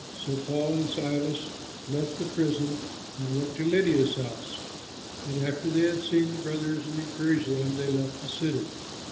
So Paul and Silas left the prison, and went to Lydia's house; and after they had seen the brothers and encouraged them, they left the city.